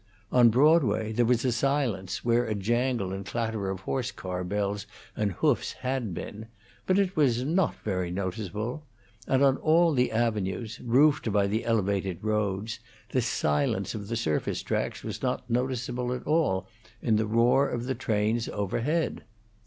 On Broadway there was a silence where a jangle and clatter of horse car bells and hoofs had been, but it was not very noticeable; and on the avenues, roofed by the elevated roads, this silence of the surface tracks was not noticeable at all in the roar of the trains overhead.